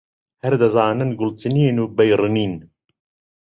هەر دەزانن گوڵ چنین و بەی ڕنین